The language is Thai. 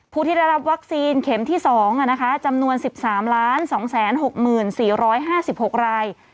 ผู้ที่ได้รับวัคซีนเข็มที่สองอ่ะนะคะจำนวนสิบสามล้านสองแสนหกหมื่นสี่ร้อยห้าสิบหกราย